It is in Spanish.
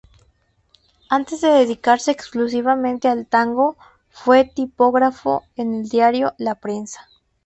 Antes de dedicarse exclusivamente al tango fue tipógrafo en el diario "La Prensa".